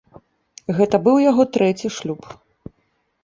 Гэта быў яго трэці шлюб.